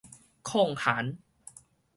曠寒